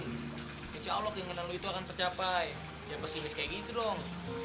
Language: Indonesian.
insya allah keinginan lalu itu akan tercapai ya pesimis kayak gitu dong